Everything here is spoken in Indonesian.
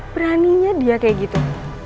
beraninya dia kayak gitu